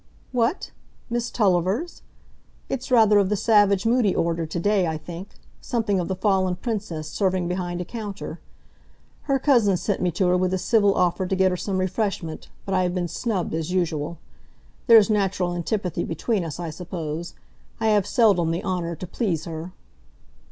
"What! Miss Tulliver's? It's rather of the savage moody order to day, I think,—something of the fallen princess serving behind a counter. Her cousin sent me to her with a civil offer to get her some refreshment, but I have been snubbed, as usual. There's natural antipathy between us, I suppose; I have seldom the honour to please her."